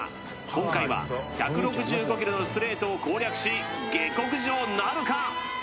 今回は１６５キロのストレートを攻略し下剋上なるか？